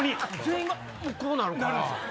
全員がこうなるから。